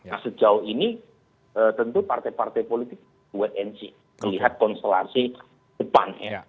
nah sejauh ini tentu partai partai politik wnc melihat konstelasi depannya